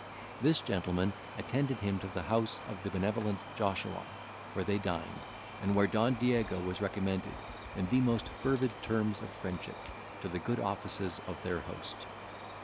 This gentleman attended him to the house of the benevolent Joshua, where they dined, and where Don Diego was recommended, in the most fervid terms of friendship, to the good offices of their host.